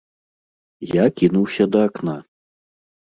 Я кінуўся да акна.